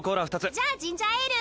じゃあジンジャーエール！